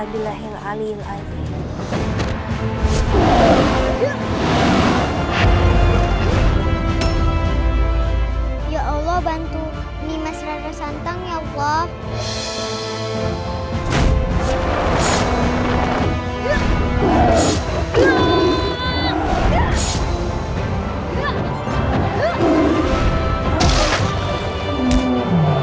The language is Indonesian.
nimas rara santang ya allah